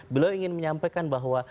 beliau ingin menyampaikan bahwa